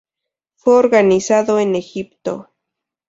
Fue organizado en Egipto.